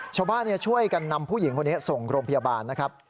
ชาวบ้านช่วยกันนำผู้หญิงคนนี้ส่งโรงพยาบาลนะครับ